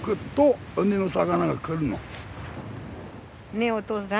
ねぇお父さん？